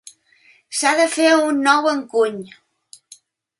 S'ha de fer un nou encuny.